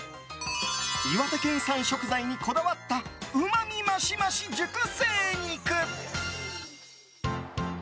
岩手県産食材にこだわったうまみ増し増し熟成肉。